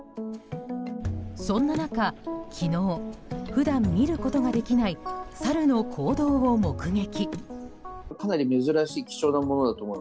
そんな中、昨日普段見ることができないサルの行動を目撃。